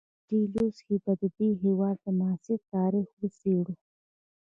په دې لوست کې به د دې هېواد معاصر تاریخ وڅېړو.